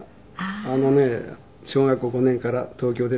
あのね小学校５年から東京ですよね。